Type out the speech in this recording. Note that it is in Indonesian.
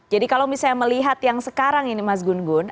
jadi kalau misalnya melihat yang sekarang ini mas gun gun